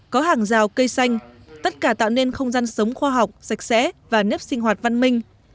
có hàng rào cây xanh tất cả tạo nên không gian sống khoa học sạch sẽ và nếp sinh hoạt văn minh